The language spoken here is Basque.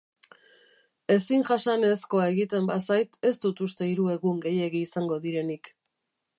Ezin jasanez-koa egiten bazait, ez dut uste hiru egun gehiegi izango direnik.